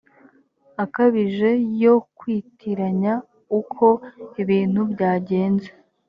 akabije yo kwitiranya uko ibintu byagenze